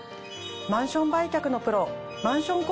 マンション売却のプロマンション